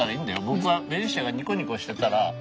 僕はベニシアがニコニコしてたら。